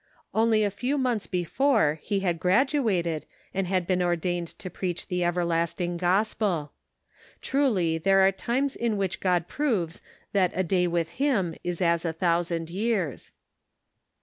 Only a few months before he 500 The Pocket Measure. had graduated, and been ordained to preach the everlasting gospel. Truly there are times in which God proves that a " day with him is as a thousand years."